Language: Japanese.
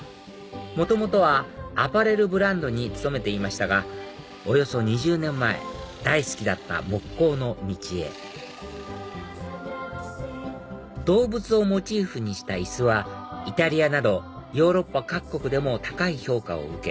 元々はアパレルブランドに勤めていましたがおよそ２０年前大好きだった木工の道へ動物をモチーフにした椅子はイタリアなどヨーロッパ各国でも高い評価を受け